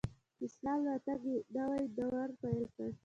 د اسلام راتګ نوی دور پیل کړ